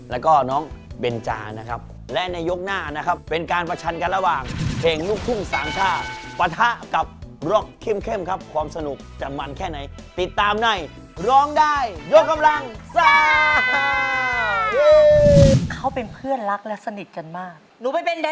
ลับและในยกหน้าครับเป็นการประชันกันระหว่างเพลงลูกคุมสามชาปัทฮักกับล็อคเข้มเข้มครับความสนุกจะมันแค่ไหนติดตามในร้องได้ยกกำลังเส้นเข้าเป็นเพื่อนรักและสนิทกันมากหนูไม่เป็น